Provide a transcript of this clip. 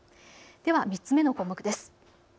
では３つ目の項目です。